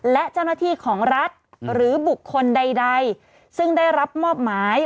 และเจ้าหน้าที่ของรัฐหรือบุคคลใดซึ่งได้รับมอบหมาย